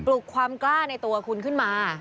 กลุ่มความกล้าในตัวขึ้นมา